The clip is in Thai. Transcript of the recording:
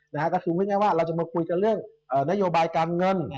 นะฮะก็คือเรามาคุยกันเรื่องนโยบายการเงิน